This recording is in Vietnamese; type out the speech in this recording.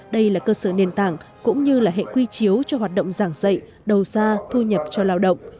đây là cơ sở nền tảng cũng như là hệ quy chiếu cho hoạt động giảng dạy đầu ra thu nhập cho lao động